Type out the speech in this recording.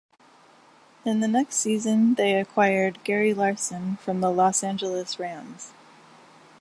In the next season they acquired Gary Larsen from the Los Angeles Rams.